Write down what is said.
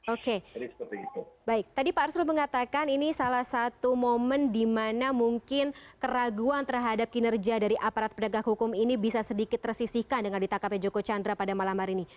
oke baik tadi pak arsul mengatakan ini salah satu momen di mana mungkin keraguan terhadap kinerja dari aparat pedagang hukum ini bisa sedikit tersisihkan dengan ditangkapnya joko chandra pada malam hari ini